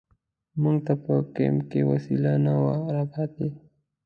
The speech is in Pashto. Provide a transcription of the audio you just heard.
موږ ته په کمپ کې وسله نه وه را پاتې.